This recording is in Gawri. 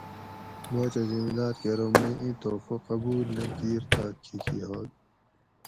باچہ زمیداۤر کہۤ ارو مئ اِیں تحفہ قبول نہ کِیر تہ کھیکی ہوگ